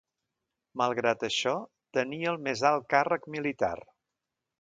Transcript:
Malgrat això, tenia el més alt càrrec militar.